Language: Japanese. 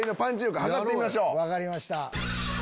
分かりました。